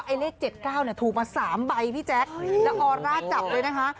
ไอ้เลข๗๙ถูกมา๓ใบพี่แจ๊กแล้วอร่าจับเลยนะคะ